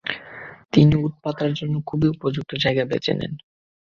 তিনি ওঁৎ পাতার জন্য খুবই উপযুক্ত জায়গা বেছে নেন।